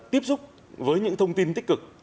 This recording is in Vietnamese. tiếp xúc với những thông tin tích cực